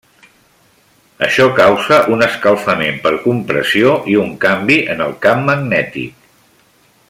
Això causat un escalfament per compressió i un canvi en el camp magnètic.